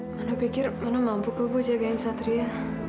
mano pikir mano mampu kebu jagain satria